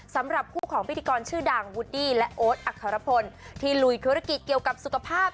สำหรับคู่ของพิธีกรชื่อดังวูดดี้และโอ๊ตอัครพลที่ลุยธุรกิจเกี่ยวกับสุขภาพ